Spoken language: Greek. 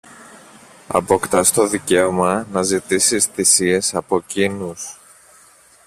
αποκτάς το δικαίωμα να ζητήσεις θυσίες από κείνους